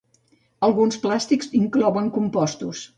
Alguns plàstics inclouen compostos.